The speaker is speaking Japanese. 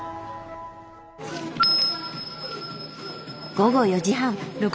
午後４時半。